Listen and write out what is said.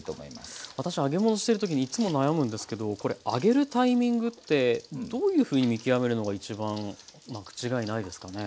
私揚げ物してる時にいつも悩むんですけどこれあげるタイミングってどういうふうに見極めるのが一番間違いないですかね？